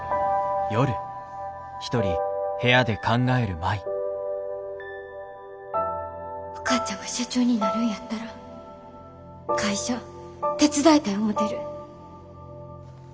回想お母ちゃんが社長になるんやったら会社手伝いたい思てる。